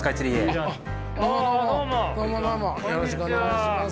よろしくお願いします。